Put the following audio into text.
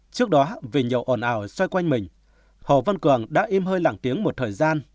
trước đó vì nhậu ồn ào xoay quanh mình hồ văn cường đã im hơi lẳng tiếng một thời gian